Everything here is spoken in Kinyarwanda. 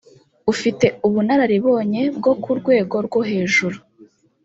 ufite ubunararibonye bwo ku rwego rwo hejuru